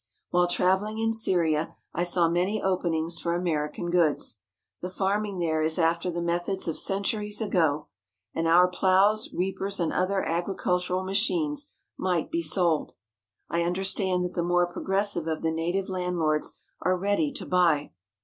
While travelling in Syria I saw many openings for American goods. The farming there is after the methods of centuries ago, and our ploughs, reapers, and other agri cultural machines might be sold. I understand that the more progressive of the native landlords are ready to buy.